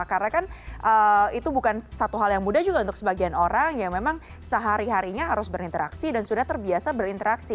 karena kan itu bukan satu hal yang mudah juga untuk sebagian orang yang memang sehari harinya harus berinteraksi dan sudah terbiasa berinteraksi